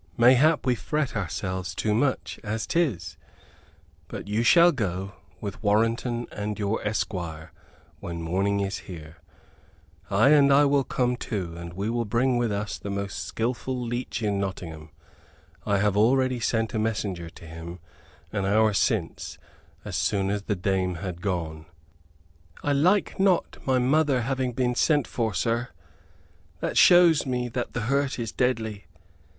Mayhap we fret ourselves too much, as 'tis. But you shall go, with Warrenton and your esquire, when morning is here. Ay, and I will come too; and we will bring with us the most skilful leech in Nottingham. I have already sent a messenger to him, an hour since, so soon as the dame had gone." "I like not my mother having been sent for, sir. That shows me that the hurt is deadly.